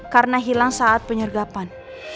karena hilang saat penyergapan